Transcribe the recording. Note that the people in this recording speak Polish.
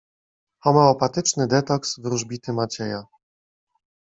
Homeopatyczny detoks wróżbity Macieja.